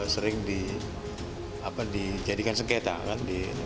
sering dijadikan sekitar